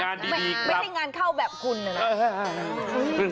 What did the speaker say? ไม่ใช่งานเข้าแบบคุณนะ